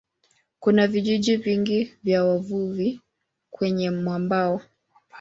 Kuna vijiji vingi vya wavuvi kwenye mwambao.